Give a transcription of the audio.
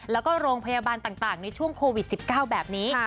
แล้วก็โรงพยาบาลต่างในช่วงโควิด๑๙แบบนี้